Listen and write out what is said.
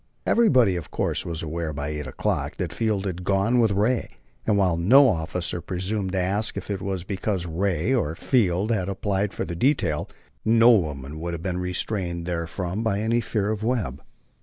Everybody, of course, was aware by eight o'clock that Field had gone with Ray, and while no officer presumed to ask if it was because Ray, or Field, had applied for the detail, no woman would have been restrained therefrom by any fear of Webb.